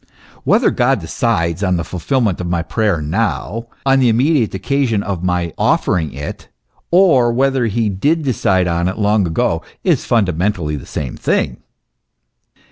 Whether God decides on the fulfilment of my prayer now, on the immediate occasion of my offering it, or whether he did decide on it long ago, is fundamentally the same thing.